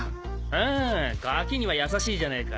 へぇガキには優しいじゃねえか！